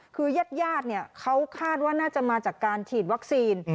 คือเย็ดเนี่ยเขาคาดว่าน่าจะมาจากการฉีดวัคซีน